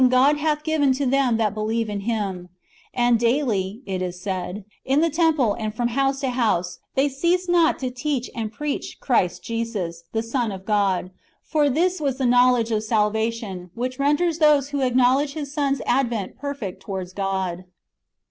^" And daily," it is said, " in the temple, and from house to house, they ceased not to teach and preach Christ Jesus," ^ the Son of God. For this was the knowledge of salvation, which renders those who acknowledge His Son's advent perfect towards God.